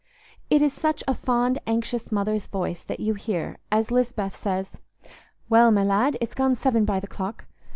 It is such a fond anxious mother's voice that you hear, as Lisbeth says, "Well, my lad, it's gone seven by th' clock.